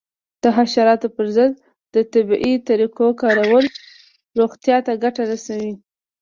د حشراتو پر ضد د طبیعي طریقو کارول روغتیا ته ګټه رسوي.